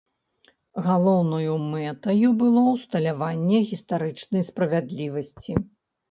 Галоўнаю мэтаю было ўсталяванне гістарычнай справядлівасці.